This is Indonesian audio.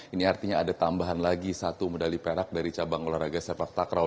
ini artinya ada tambahan lagi satu medali perak dari cabang olahraga sepak takraw